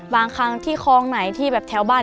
บางครั้งที่คลองไหนที่แบบแถวบ้าน